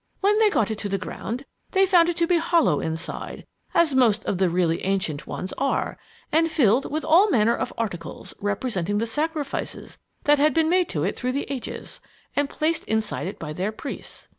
When they got it to the ground, they found it to be hollow inside, as most of the really ancient ones are, and filled with all manner of articles representing the sacrifices that had been made to it, through the ages, and placed inside it by their priests.